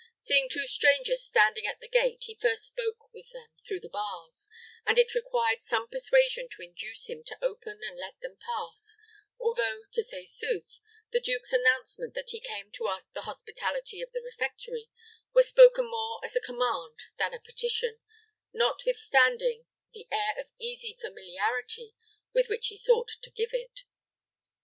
Seeing two strangers standing at the gate, he first spoke with them through the bars, and it required some persuasion to induce him to open and let them pass, although, to say sooth, the duke's announcement that he came to ask the hospitality of the refectory, was spoken more as a command than a petition, notwithstanding the air of easy familiarity which he sought to give it.